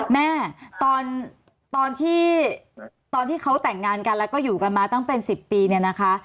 แม่ตอนที่ตอนที่เขาแต่งงานกันแล้วก็อยู่กันมาตั้งเป็น๑๐ปีเนี่ยนะคะ